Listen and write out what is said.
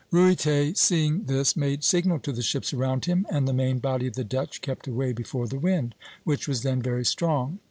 Ruyter, seeing this, made signal to the ships around him, and the main body of the Dutch kept away before the wind (Fig 3, C''), which was then very strong.